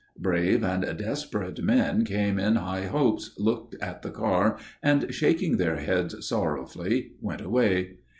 Brave and desperate men came in high hopes, looked at the car, and, shaking their heads sorrowfully, went away.